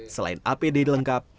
selain apd dilengkap